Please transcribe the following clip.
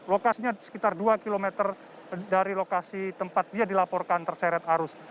lokasinya sekitar dua km dari lokasi tempat dia dilaporkan terseret arus